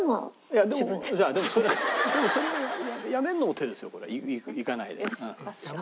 でもそれはやめるのも手ですよいかないで。